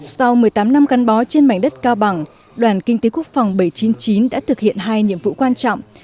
sau một mươi tám năm gắn bó trên mảnh đất cao bằng đoàn kinh tế quốc phòng bảy trăm chín mươi chín đã thực hiện hai nhiệm vụ quan trọng